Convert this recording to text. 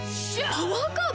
パワーカーブ⁉